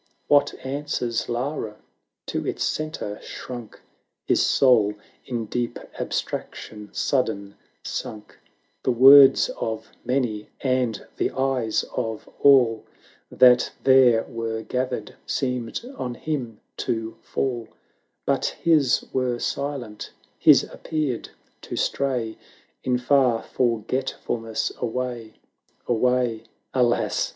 What answers Lara? to its centre shrunk His soul, in deep abstraction sudden sunk; The words of many, and the eyes of all That there were gathered, seemed on him to fall; But his were silent, his appeared to stray In far forgetfulness away — away — Alas